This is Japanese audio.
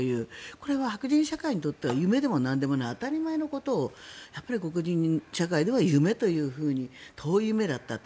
これは白人社会にとっては当たり前のことを黒人社会では夢というふうに遠い夢だったと。